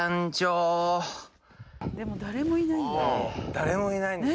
誰もいないんだね。